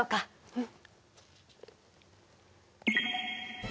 うん。